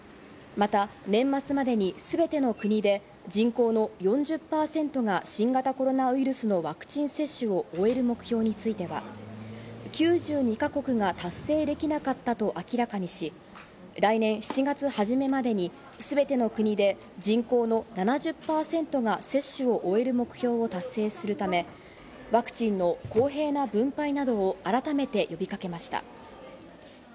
また年末までに全ての国で人口の４０％が新型コロナウイルスのワクチン接種を終える目標については、９２か国が達成できなかったと明らかにし、来年７月初めまでに全ての国で人口の７０％が接種を終える目標を達成するため、ワクチンの公平な分配などを改めて呼びかけました。